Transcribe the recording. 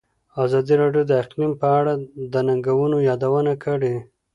ازادي راډیو د اقلیم په اړه د ننګونو یادونه کړې.